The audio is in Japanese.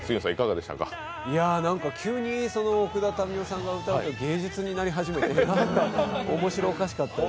急に奥田民生さんが歌うと芸術になり始めて面白おかしかったです。